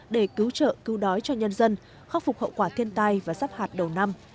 để cứu trợ cứu đói cho nhân dân khắc phục hậu quả thiên tai và sắp hạt đầu năm